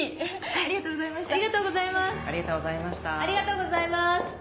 ありがとうございます。